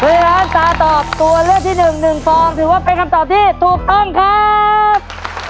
เพราะฉะนั้นตาตอบตัวเลือกที่หนึ่งหนึ่งฟองถือว่าเป็นคำตอบที่ถูกต้องครับ